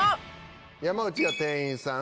山内が店員さん。